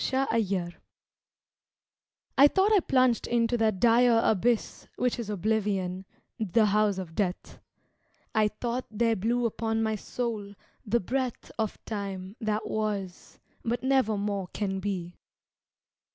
THE DEAD GODS I thought I plunged into that dire Abyss Which is Oblivion, the house of Death. I thought there blew upon my soul the breath Of time that was but never more can be.